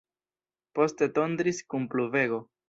Poste tondris kun pluvego.